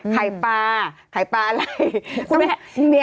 ไข่ปลาไข่ปลาอะไร